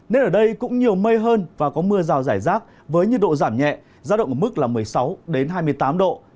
nên ở đây cũng nhiều mây hơn và có mưa rào rải rác với nhiệt độ giảm nhẹ giá động ở mức là một mươi sáu hai mươi tám độ